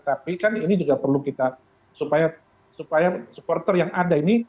tapi kan ini juga perlu kita supaya supporter yang ada ini